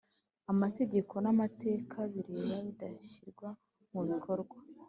Amategeko n amateka bireba bidashyirwa mu bikorwa